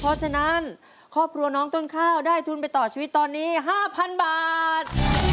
เพราะฉะนั้นครอบครัวน้องต้นข้าวได้ทุนไปต่อชีวิตตอนนี้๕๐๐๐บาท